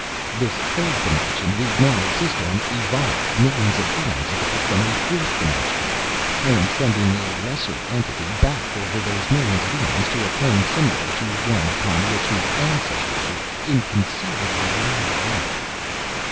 This third dimension we now exist on evolved, millions of eons ago, from a fourth dimension. I am sending a lesser entity back over those millions of eons to a plane similar to one upon which his ancestors lived inconceivably long ago."